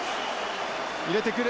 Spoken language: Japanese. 入れてくる。